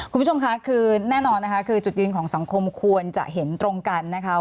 คุณผู้ชมค่ะคือแน่นอนนะคะคือจุดยืนของสังคมควรจะเห็นตรงกันนะคะ